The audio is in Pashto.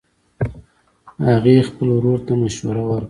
هغې خپل ورور ته مشوره ورکړه